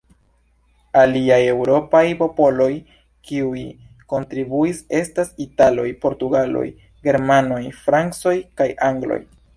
Aliaj eŭropaj popoloj kiuj kontribuis estas: italoj, portugaloj, germanoj, francoj kaj angloj.